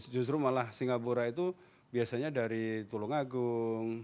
justru malah singapura itu biasanya dari tulungagung